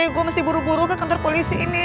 ya gue mesti buru buru ke kantor polisi ini